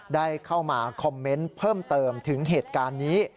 ได้เข้ามาคอมเมนต์เพิ่มเติมถึงเหตุการณ์นี้